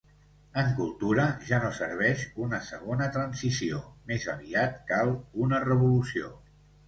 En cultura ja no serveix una segona transició, més aviat cal una revolució.